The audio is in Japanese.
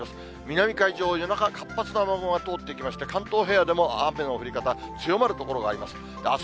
南海上、夜中、活発な雨雲が通っていきまして、関東平野でも雨の降り方、強まる所があります。